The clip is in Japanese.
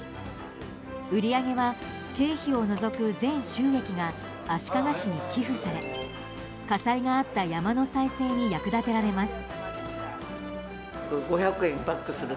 売り上げは経費を除く全収益が足利市に寄付され火災があった山の再生に役立てられます。